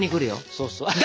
そうそう。